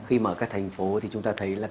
khi mà các thành phố thì chúng ta thấy là